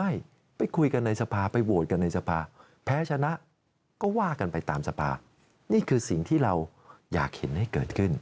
มาตั้งแต่วันแรกนี่คือสิ่งที่เราอยากเห็นให้เกิดขึ้น